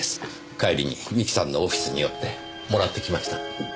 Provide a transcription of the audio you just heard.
帰りに三木さんのオフィスに寄ってもらってきました。